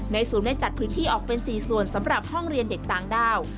ศูนย์ได้จัดพื้นที่ออกเป็น๔ส่วนสำหรับห้องเรียนเด็กต่างด้าว